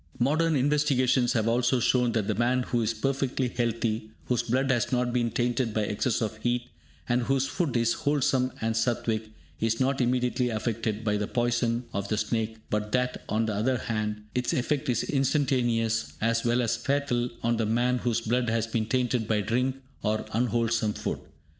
Modern investigations have also shown that the man who is perfectly healthy, whose blood has not been tainted by excess of heat, and whose food is wholesome and Satvic, is not immediately affected by the poison of the snake, but that, on the other hand, its effect is instantaneous as well as fatal on the man whose blood has been tainted by drink or unwholesome food.